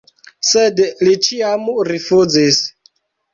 Sed li ĉiam rifuzis.